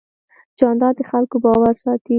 جانداد د خلکو باور ساتي.